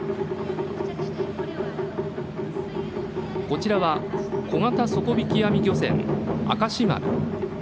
こちらは小型底びき網漁船「明石丸」